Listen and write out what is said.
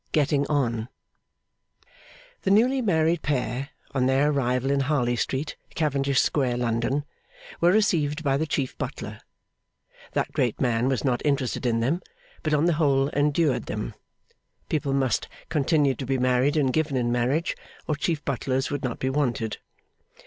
Getting on The newly married pair, on their arrival in Harley Street, Cavendish Square, London, were received by the Chief Butler. That great man was not interested in them, but on the whole endured them. People must continue to be married and given in marriage, or Chief Butlers would not be wanted.